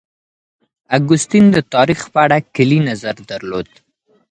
اګوستين د تاريخ په اړه کلي نظر درلود.